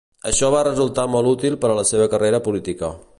Això va resultar molt útil per a la seva carrera política.